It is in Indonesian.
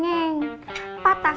guro sudah sampai daya